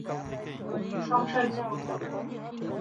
সংসার জীবন